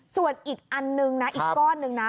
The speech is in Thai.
ส่วนอีกอันนึงนะอีกก้อนหนึ่งนะ